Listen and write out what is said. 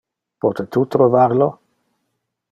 Pote tu trovar lo?